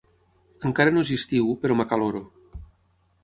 Encara no és estiu, però m'acaloro.